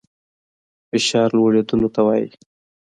فشار لوړېدلو ته وايي.